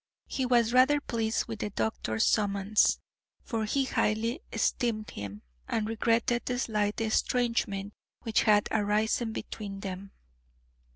He was rather pleased with the doctor's summons, for he highly esteemed him, and regretted the slight estrangement which had arisen between them.